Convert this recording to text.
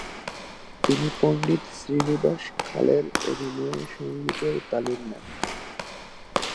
তিনি পণ্ডিত শ্রীনিবাস খালের অধীনে সঙ্গীতের তালিম নেন।